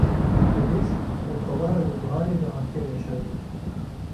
nivîs di kovara Nûbiharê de hatiye weşandin